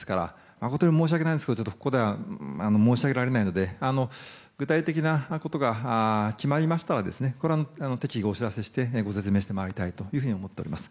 誠に申し訳ないんですがここでは申し上げられないので具体的なことが決まりましたらこれは適宜、お知らせしてご説明してまいりたいと思っております。